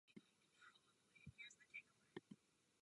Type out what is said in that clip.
Rozkládá se na pravém břehu řeky Hron.